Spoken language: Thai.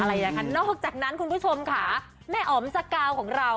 นอกจากนั้นคุณผู้ชมค่ะแม่อ๋อมสกาวของเรา